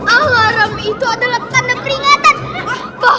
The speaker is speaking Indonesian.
alarm itu adalah karena peringatan